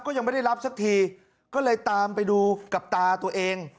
ก็ยังไม่ได้รับสักทีก็เลยตามไปดูกับตาตัวเอง